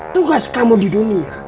tugas kamu di dunia